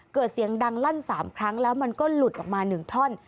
เกิดเสียงดังลั่น๓ครั้งแล้วมันก็หลุดออกมา๑ท่อน